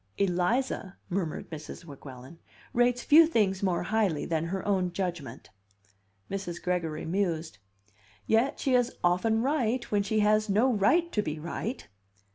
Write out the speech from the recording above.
"Eliza," murmured Mrs. Weguelin, "rates few things more highly than her own judgment." Mrs. Gregory mused. "Yet she is often right when she has no right to be right."